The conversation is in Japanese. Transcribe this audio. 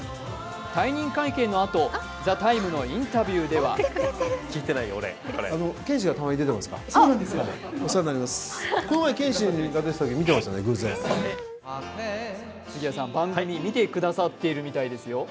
退任会見のあと、「ＴＨＥＴＩＭＥ，」のインタビューでは番組見てくださっているみたいですよ。